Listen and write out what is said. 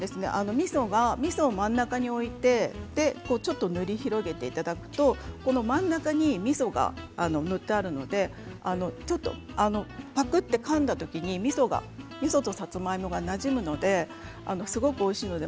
みそを真ん中に置いて塗り広げていただくと真ん中に、みそが塗ってあるのでぱくっとかんだ時にみそとさつまいもがなじむのですごくおいしいです。